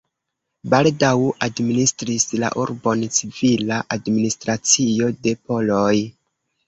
Baldaŭ administris la urbon civila administracio de poloj.